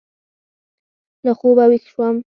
له خوبه وېښ شوم.